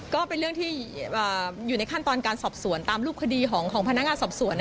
ก็เป็นเรื่องที่อยู่ในขั้นตอนการสอบสวนตามรูปคดีของพนักงานสอบสวน